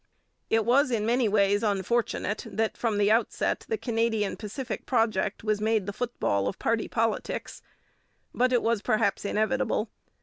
It was in many ways unfortunate that from the outset the Canadian Pacific project was made the football of party politics, but it was perhaps inevitable.